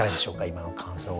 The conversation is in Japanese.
今の感想は。